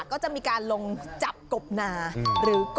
กบเขาใหญ่มาก